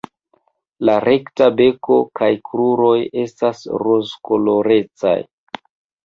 La rekta beko kaj kruroj estas rozkolorecaj.